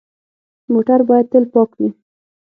موټر باید تل پاک وي.